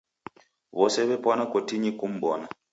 W'ose w'epwana kotinyi kum'bona.